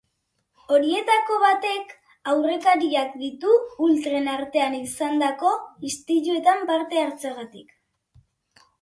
Horietako batek aurrekariak ditu ultren artean izandako istiluetan parte hartzeagatik.